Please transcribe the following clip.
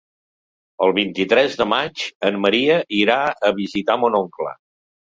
El vint-i-tres de maig en Maria irà a visitar mon oncle.